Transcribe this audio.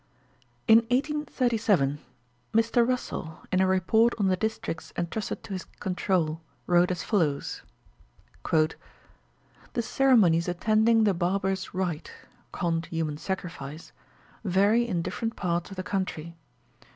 In 1837, Mr Russell, in a report on the districts entrusted to his control, wrote as follows : "The ceremonies attending the barbarous rite (Kondh human sacrifice) vary in different parts of the country.